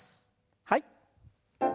はい。